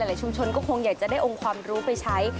ชุมชนก็คงอยากจะได้องค์ความรู้ไปใช้